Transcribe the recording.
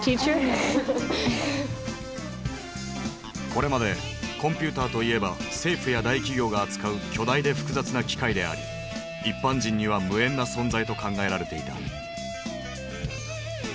これまでコンピューターといえば政府や大企業が扱う巨大で複雑な機械であり一般人には無縁な存在と考えられていた。